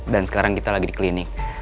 dan sekarang kita lagi di klinik